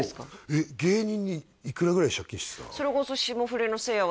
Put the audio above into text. えっ芸人にいくらぐらい借金してたの？